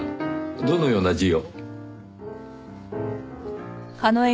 どのような字を？